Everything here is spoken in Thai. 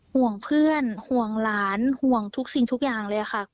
ห่วงเพื่อนห่วงหลานห่วงทุกสิ่งทุกอย่างเลยค่ะ